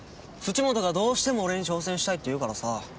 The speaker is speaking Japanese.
土本がどうしても俺に挑戦したいって言うからさ。